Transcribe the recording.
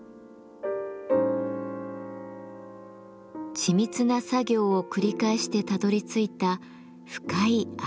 緻密な作業を繰り返してたどりついた深い藍色。